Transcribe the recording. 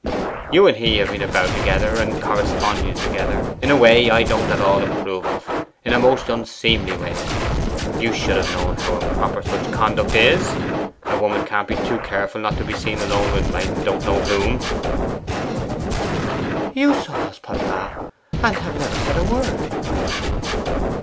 You and he have been about together, and corresponding together, in a way I don't at all approve of in a most unseemly way. You should have known how improper such conduct is. A woman can't be too careful not to be seen alone with I don't know whom.' 'You saw us, papa, and have never said a word.